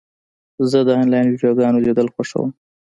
زه د انلاین ویډیوګانو لیدل خوښوم.